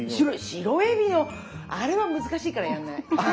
白えびのあれは難しいからやんない。